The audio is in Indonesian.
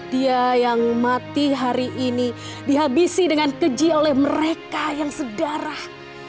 dia yang mati hari ini dihabisi dengan keji oleh mereka yang sedarah